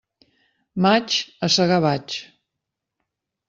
Maig, a segar vaig.